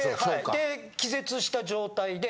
で気絶した状態で。